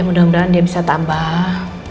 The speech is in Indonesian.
mudah mudahan dia bisa tambah